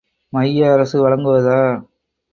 மைய அரசு வழங்குவதா?